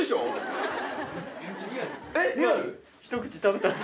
一口食べたら。